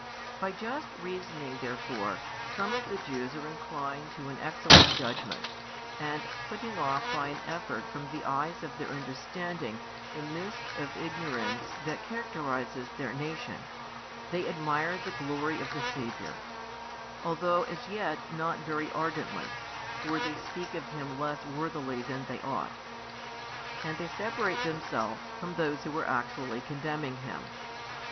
By just reasoning therefore, some of the Jews are inclined to an excellent judgment, and putting off by an effort from the eyes of their understanding the mist of ignorance that characterises their nation, they admire the glory of the Saviour, (although as yet not very ardently, for they speak of Him less worthily than they ought;) and they separate themselves from those who are actually condemning Him.